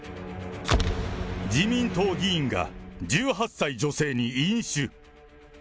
自民党議員が１８歳女性に飲酒。